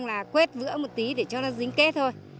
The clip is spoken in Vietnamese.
là quét vữa một tí để cho nó dính kết thôi